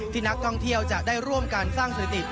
นักท่องเที่ยวจะได้ร่วมการสร้างสถิติ